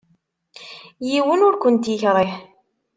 Yiwen ur kent-yekṛih.